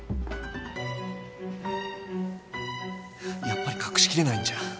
やっぱり隠しきれないんじゃ。